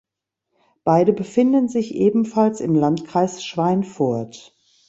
Beide befinden sich ebenfalls im Landkreis Schweinfurt.